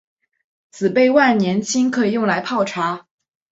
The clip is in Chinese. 紫背万年青可以用来泡茶。